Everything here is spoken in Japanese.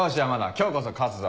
今日こそ勝つぞ。